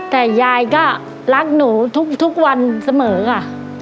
แต่ยายก็รักหนูทุกวันเสมอค่ะ